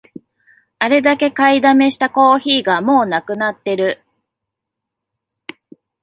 あれだけ買いだめしたコーヒーがもうなくなってる